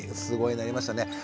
すごいなりましたね。